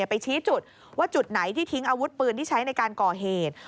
ไปชี้จุดว่าจุดไหนที่ทิ้งอาวุธปืนที่ใช้ในการก่อเหตุ